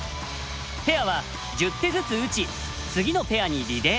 ペアは１０手ずつ打ち次のペアにリレー。